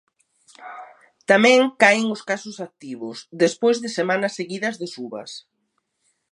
Tamén caen os casos activos, despois de semanas seguidas de subas.